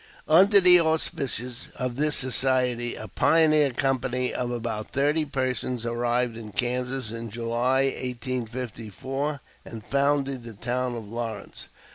Under the auspices of this society a pioneer company of about thirty persons arrived in Kansas in July, 1854, and founded the town of Lawrence.